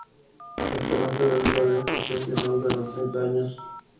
La esperanza de vida de esta especie ronda los treinta años.